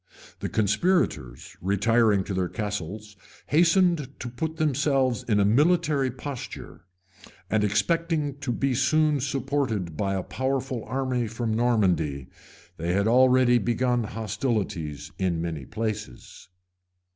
The conspirators, retiring to their castles, hastened to put themselves in a military posture; and expecting to be soon supported by a powerful army from Normandy, they had already begun hostilities in many places.